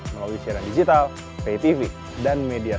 pak yadin fridianto saksikan terus